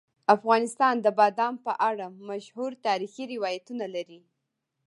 افغانستان د بادام په اړه مشهور تاریخی روایتونه لري.